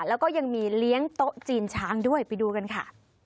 แล้วก็ยังมีเลี้ยงโต๊ะจีนช้างด้วยไปดูกันค่ะ